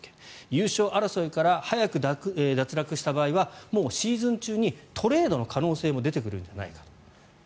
優勝争いから早く脱落した場合はもうシーズン中にトレードの可能性も出てくるんじゃないかと。